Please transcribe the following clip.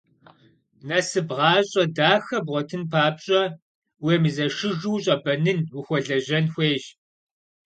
Насып, гъащӏэ дахэ бгъуэтын папщӏэ, уемызэшыжу ущӏэбэнын, ухуэлэжьэн хуейщ.